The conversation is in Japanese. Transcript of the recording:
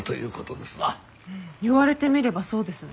言われてみればそうですね。